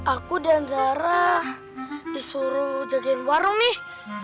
aku dan zara disuruh jagain warung nih